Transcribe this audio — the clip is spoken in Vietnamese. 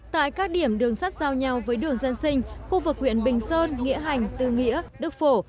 tại các điểm đường sắt giao nhau với đường dân sinh khu vực huyện bình sơn nghĩa hành tư nghĩa đức phổ